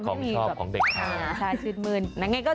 ของชอบของเด็กขา